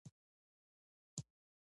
که هر څومره له انسانه سره لوی سي